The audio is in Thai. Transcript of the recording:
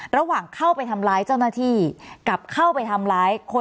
ระหว่างเข้าไปทำร้ายเจ้าหน้าที่กลับเข้าไปทำร้ายคน